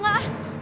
takut gue ren